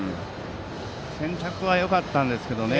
選択はよかったんですけどね。